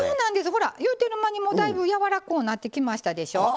ほら、言うてる間にやわらこうなってきましたでしょ。